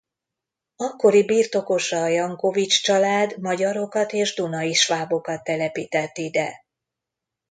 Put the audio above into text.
Akkori birtokosa a Jankovich család magyarokat és dunai svábokat telepített ide.